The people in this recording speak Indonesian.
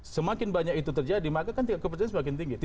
semakin banyak itu terjadi maka kan tingkat kepercayaan semakin tinggi